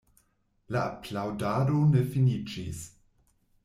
La aplaŭdado ne finiĝis.